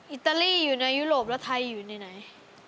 อิตาลีอยู่ในยุโรปแล้วไทยอยู่ในไหน